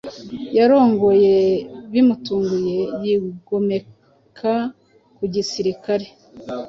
Yarongoye bimutunguye, yigomeka ku gisirikare